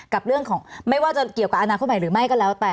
กับเรื่องของไม่ว่าจะเกี่ยวกับอนาคตใหม่หรือไม่ก็แล้วแต่